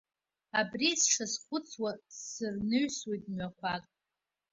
Абри сшазхәыцуа сырнысуеит мҩақәак.